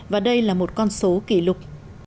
và đây là một con số kỷ lục